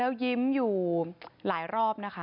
แล้วยิ้มอยู่หลายรอบนะคะ